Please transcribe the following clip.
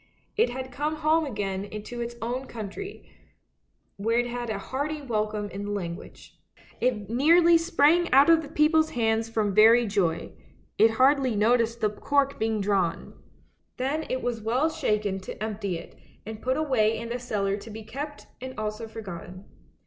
It had come home again to its own country, where it had a hearty welcome in the language. It nearly sprang out of the people's hands from very joy; it hardly noticed the cork being drawn. Then it was well shaken to empty it, and put away in the cellar to be kept and also for gotten.